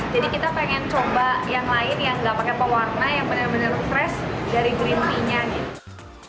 jadi kita pengen coba yang lain yang gak pake pewarna yang bener bener fresh dari green tea nya gitu